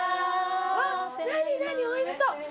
わっ何何おいしそう。